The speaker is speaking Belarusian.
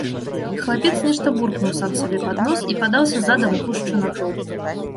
Хлапец нешта буркнуў сам сабе пад нос і падаўся задам у гушчу натоўпу.